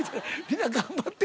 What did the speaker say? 皆頑張って。